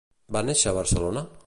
Va néixer a Barcelona?